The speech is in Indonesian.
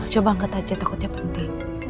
coba angkat aja takutnya penting